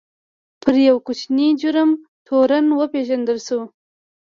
پر یوه ډېر کوچني جرم تورن وپېژندل شو.